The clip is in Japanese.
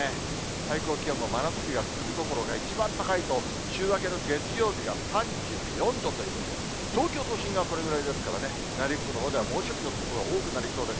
最高気温も真夏日が続くどころか、一番高いと週明けの月曜日が３４度ということで、東京都心がこれぐらいですからね、内陸部のほうでは猛暑日の所が多くなりそうです。